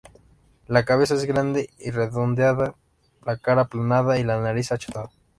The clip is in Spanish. La cabeza es grande y redondeada, la cara aplanada y la nariz achatada.